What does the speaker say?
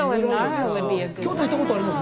京都、行ったことあります？